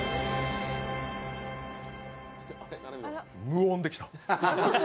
無音で来た？